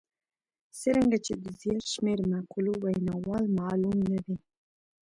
څرنګه چې د زیات شمېر مقولو ویناوال معلوم نه دي.